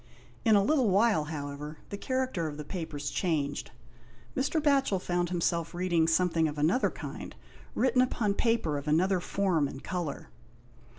In a little while, however, the character of the papers changed. Mr, Batohel found him self reading something of another kind, written upon paper of another form and colour.